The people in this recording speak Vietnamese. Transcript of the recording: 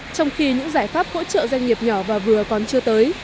trong khi những giải pháp hỗ trợ doanh nghiệp nhỏ và vừa còn chưa tới